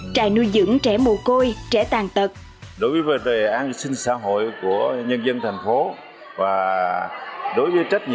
trại nuôi dưỡng trẻ mù côi trẻ tàn tật